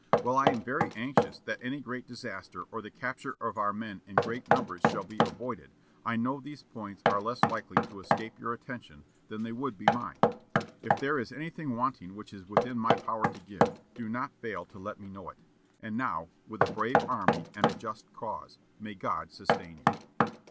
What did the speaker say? While I am very anxious that any great disaster or the capture of our men in great numbers shall be avoided, I know these points are less likely to escape your attention than they would be mine. If there is anything wanting which is within my power to give, do not fail to let me know it. And now, with a brave army and a just cause, may God sustain you."